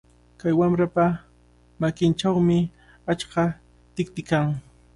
Kay wamrapa makinchawmi achka tikti kan.